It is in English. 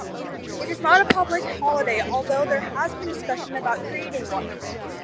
It is not a public holiday, although there has been discussion about creating one.